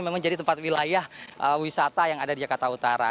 memang menjadi tempat wilayah wisata yang ada di jakarta utara